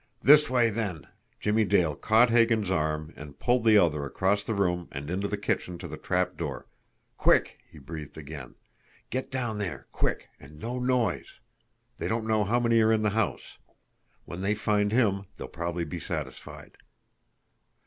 "This way, then!" Jimmie Dale caught Hagan's arm, and pulled the other across the room and into the kitchen to the trapdoor. "Quick!" he breathed again. "Get down there quick! And no noise! They don't know how many are in the house. When they find HIM they'll probably be satisfied."